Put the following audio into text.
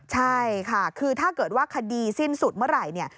ใช่ค่ะคือถ้าเกิดว่าคดีสิ้นสุดเมื่อไหร่เนี่ย